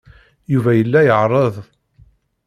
Yuba yella iɛerreḍ.